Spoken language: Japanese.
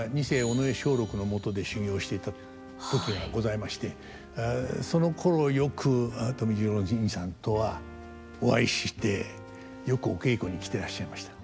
尾上松緑のもとで修業していた時がございましてそのころよく富十郎にいさんとはお会いしてよくお稽古に来てらっしゃいました。